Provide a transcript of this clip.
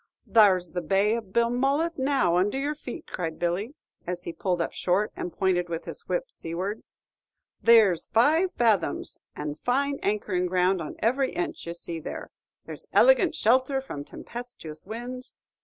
"There's the Bay of Belmullet now under your feet," cried Billy, as he pulled up short, and pointed with his whip seaward. "There's five fathoms, and fine anchoring ground on every inch ye see there. There's elegant shelter from tempestuous winds.